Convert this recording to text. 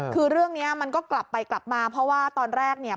คือเรื่องนี้มันก็กลับไปกลับมาเพราะว่าตอนแรกเนี่ย